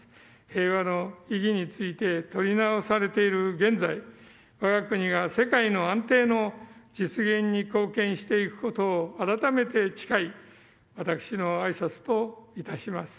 平和の意義について問い直されている現在我が国が、世界の安定の実現に貢献していくことを改めて誓い私の挨拶といたします。